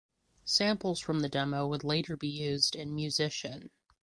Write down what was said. Samples from the demo would later be used in "Musician".